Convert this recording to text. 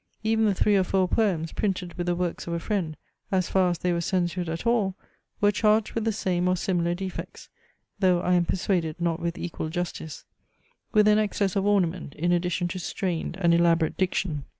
Even the three or four poems, printed with the works of a friend , as far as they were censured at all, were charged with the same or similar defects, (though I am persuaded not with equal justice), with an excess of ornament, in addition to strained and elaborate diction.